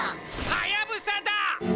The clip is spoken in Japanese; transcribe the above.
はやぶさだ！